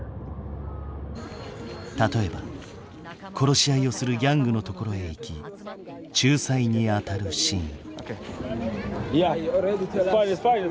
例えば殺し合いをするギャングのところへ行き仲裁に当たるシーン。